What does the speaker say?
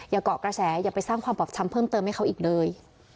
เกาะกระแสอย่าไปสร้างความบอบช้ำเพิ่มเติมให้เขาอีกเลย